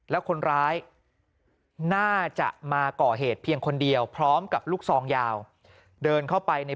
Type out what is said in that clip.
แล้วคนร้ายน่าจะมาก่อเหตุเพียงคนเดียวพร้อมกับลูกซองยาวเดินเข้าไปใน